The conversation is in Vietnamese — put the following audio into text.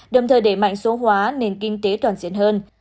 đồng thời để mạnh số hóa nền kinh tế toàn diện hơn